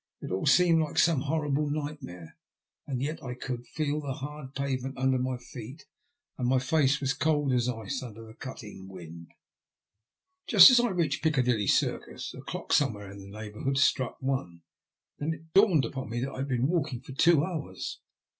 It all seemed like some horrible nightmare, and yet I could feel the hard pavement under my feet, and my face was cold as ice under the cutting wind. Just as I reached Piccadilly Circus a clock some where in the neighbourhood struck one. Then it dawned upon me that I had been walking for two hours.